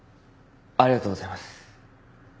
ありがとうございます。